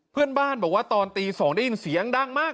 เพื่อนบ้านบอกว่าตอนตี๒ได้ยินเสียงดังมาก